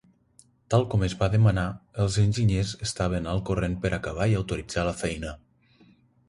Tal com es va demanar, els enginyers estaven al corrent per acabar i autoritzar la feina.